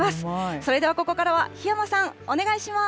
それではここからは檜山さん、お願いします。